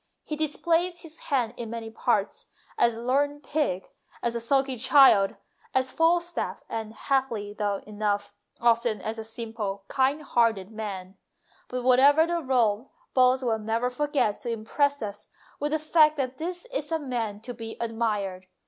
He displays his hand in many parts as a learned pig, as a sulky child, as Falstaff, and, happily enough, often as a simple, kind hearted man ; but, whatever the role, Boswell never forgets to impress us with the fact that this is a man to be admired.